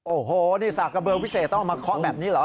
โอ้โหนี่สากกระเบือพิเศษต้องเอามาเคาะแบบนี้เหรอ